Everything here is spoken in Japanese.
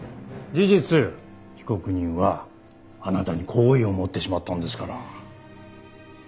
事実被告人はあなたに好意を持ってしまったのですから。